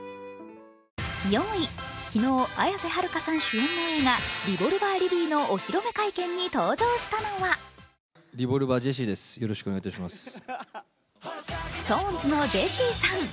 ４位、昨日、綾瀬はるかさん主演の映画「リボルバー・リリー」のお披露目会見に登場したのはＳｉｘＴＯＮＥＳのジェシーさん。